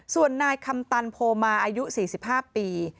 ส่วนนายคำตันโพมาอายุ๔๕ปี